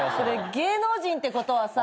芸能人ってことはさ